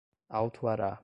autuará